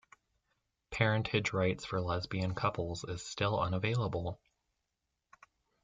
Parentage rights for lesbian couples is still unavailable.